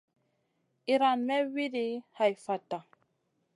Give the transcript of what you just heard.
Iran may wuidi hai fatta.